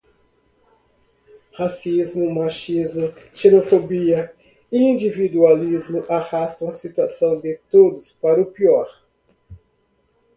Racismo, machismo, xenofobia, individualismo, arrastam a situação de todos para pior